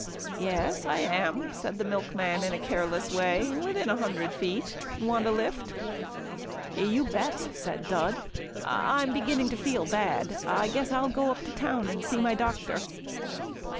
"Yes I am," said the milkman in a careless way, "within a hundred feet want a lift?" "You bet," said Dud. "I'm beginning to feel bad. I guess I'll go to town, and see my doctor."